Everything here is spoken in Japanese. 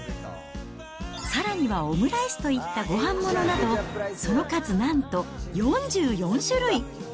さらにはオムライスといったごはんものなど、その数なんと４４種類。